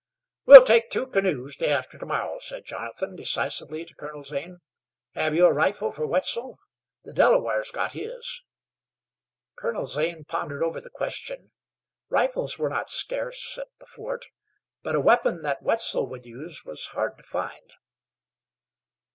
"We'll take two canoes, day after to morrow," said Jonathan, decisively, to Colonel Zane. "Have you a rifle for Wetzel? The Delawares got his." Colonel Zane pondered over the question; rifles were not scarce at the fort, but a weapon that Wetzel would use was hard to find.